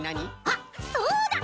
あっそうだ！